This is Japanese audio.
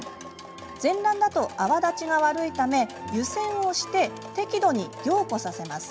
全卵だと泡立ちが悪いため湯煎をして適度に凝固させます。